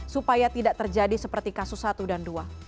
supaya tidak terjadi seperti kasus satu dan dua